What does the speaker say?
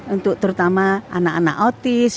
untuk terutama anak anak autis